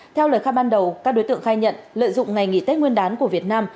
theo lời khai ban đầu các đối tượng khai nhận lợi dụng ngày nghỉ tết nguyên đán của việt nam